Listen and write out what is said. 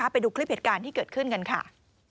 ไปดูคลิปเหตุการณ์ที่เกิดขึ้นกันค่ะ